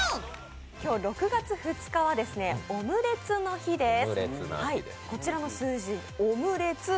今日６月２日はオムレツの日です。